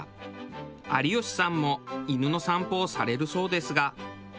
有吉さんも犬の散歩をされるそうですが。